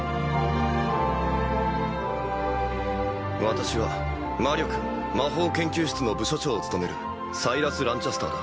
私は魔力・魔法研究室の部署長を務めるサイラス・ランチャスターだ。